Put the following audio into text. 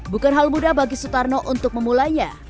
bukan hal mudah bagi sutarno untuk memulainya